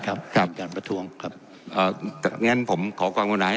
ครับครับการประทวงครับเอ่องั้นผมขอความมุนหาให้